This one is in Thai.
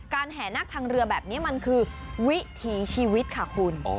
แห่นักทางเรือแบบนี้มันคือวิถีชีวิตค่ะคุณ